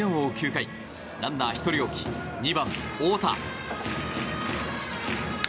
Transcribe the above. ９回ランナー１人置き２番、大田。